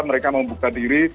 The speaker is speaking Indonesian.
mereka membuka diri